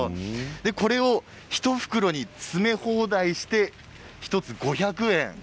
これを１袋に詰め放題して１つ５００円。